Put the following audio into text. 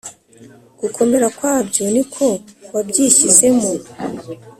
gukomera kwabyo niko wabyishyizemo